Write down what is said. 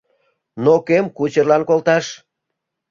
Но кӧм кучерлан колташ?